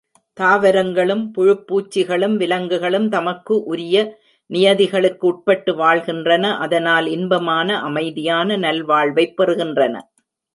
தாவரங்களும், புழுப் பூச்சிகளும், விலங்குகளும் தமக்கு உரிய நியதிகளுக்கு உட்பட்டு வாழ்கின்றன அதனால் இன்பமான, அமைதியான நல்வாழ்வைப் பெறுகின்றன.